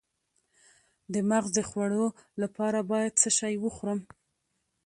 د مغز د خوړو لپاره باید څه شی وخورم؟